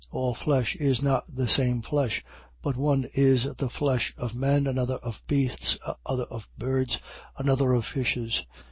15:39. All flesh is not the same flesh: but one is the flesh of men, another of beasts, other of birds, another of fishes.